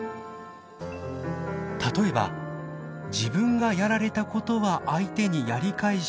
例えば自分がやられたことは相手にやり返してもいい。